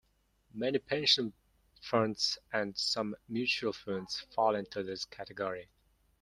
Many pension funds, and some mutual funds, fall into this category.